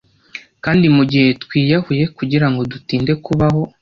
kandi mugihe twiyahuye kugirango dutinde kubaho